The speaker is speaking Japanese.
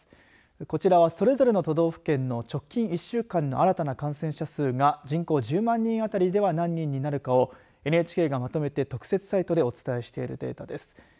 こちらはそれぞれの都道府県の直近１週間の新たな感染者数が人口１０万人あたりでは何人になるかをＮＨＫがまとめて特設サイトでお伝えしているデータです。